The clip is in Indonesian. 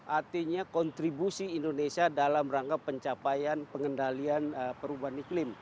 artinya kontribusi indonesia dalam rangka pencapaian pengendalian perubahan iklim